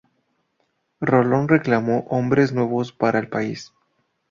Rolón reclamó hombres nuevos para el país.